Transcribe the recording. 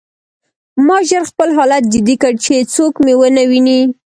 ما ژر خپل حالت جدي کړ چې څوک مې ونه ویني